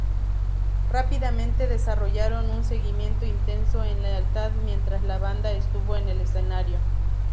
Rápidamente desarrollaron un seguimiento intenso en lealtad mientras la banda estuvo en el escenario.